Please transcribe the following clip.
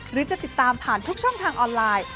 หรือจะติดตามผ่านทุกช่องทางออนไลน์